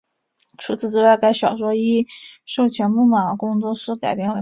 除此之外该小说亦授权梦马工作室改编为漫画。